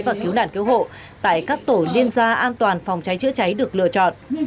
và cứu nạn cứu hộ tại các tổ liên gia an toàn phòng cháy chữa cháy được lựa chọn